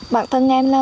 bản thân em là